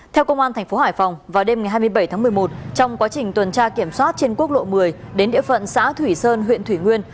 theo công an tp hải phòng vào đêm ngày hai mươi bảy tháng một mươi một trong quá trình tuần tra kiểm soát trên quốc lộ một mươi đến địa phận xã thủy sơn huyện thủy nguyên